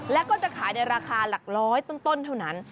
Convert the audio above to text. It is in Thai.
แล้วก็จะขายในราคาหลักร้อยต้นเท่านั้น